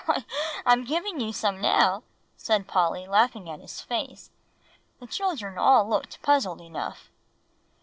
"Why, I'm giving you some now," said Polly, laughing at his face. The children all looked puzzled enough.